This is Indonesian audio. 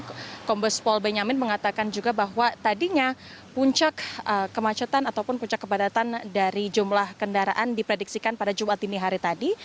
kombes pol benyamin mengatakan juga bahwa tadinya puncak kemacetan ataupun puncak kepadatan dari jumlah kendaraan diprediksikan pada jumat dini hari tadi